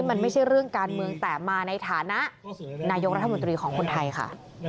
มันไม่ใช่เรื่องการเมืองแต่มาในฐานะนายกรัฐมนตรีของคนไทยค่ะ